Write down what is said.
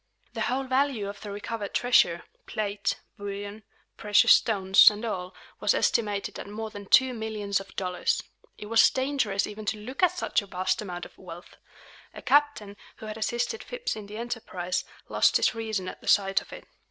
The whole value of the recovered treasure, plate, bullion, precious stones, and all, was estimated at more than two millions of dollars. It was dangerous even to look at such a vast amount of wealth. A captain, who had assisted Phips in the enterprise, lost his reason at the sight of it.